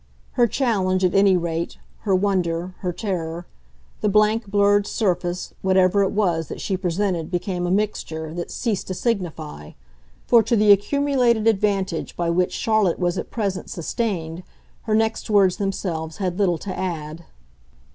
Her challenge, at any rate, her wonder, her terror the blank, blurred surface, whatever it was that she presented became a mixture that ceased to signify; for to the accumulated advantage by which Charlotte was at present sustained her next words themselves had little to add.